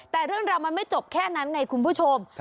แต่เรื่องราวมันไม่จบแค่นั้นไงคุณผู้ชม